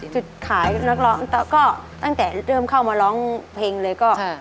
จุดขายนักร้องก็ตั้งแต่เริ่มเข้ามาร้องเพลงเลยก็